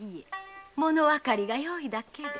ものわかりがよいだけで。